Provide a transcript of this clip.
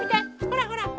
ほらほら。